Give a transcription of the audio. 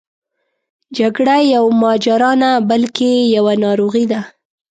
جګړه یوه ماجرا نه بلکې یوه ناروغي ده.